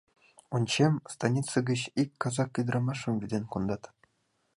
Ончем: станице гыч ик казак ӱдырамашым вӱден кондат.